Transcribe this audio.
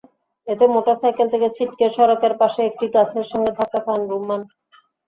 এতে মোটরসাইকেল থেকে ছিটকে সড়কের পাশে একটি গাছের সঙ্গে ধাক্কা খান রুম্মান।